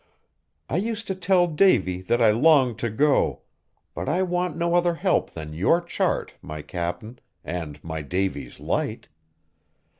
I used to tell Davy that I longed to go; but I want no other help than your chart, my Cap'n, and my Davy's Light!"